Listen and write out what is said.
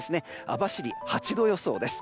網走、８度予想です。